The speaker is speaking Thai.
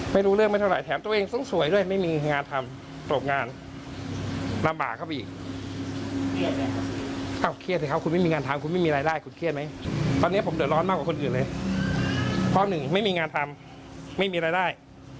เพราะหนึ่งไม่มีงานทำไม่มีรายได้